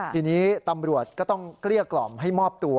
ทีนี้ตำรวจก็ต้องเกลี้ยกล่อมให้มอบตัว